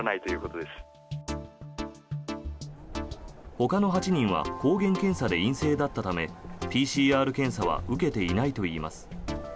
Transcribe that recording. ほかの８人は抗原検査で陰性だったためＰＣＲ検査は受けていないといいます。